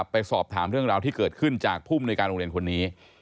ไปสอบถามเรื่องราวที่เกิดขึ้นจากผู้มนุยการโรงเรียนคนนี้